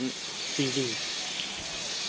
จริง